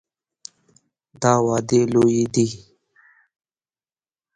دا وعدې لویې دي.